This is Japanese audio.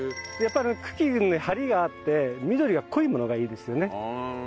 やっぱり茎にハリがあって緑が濃いものがいいですよね。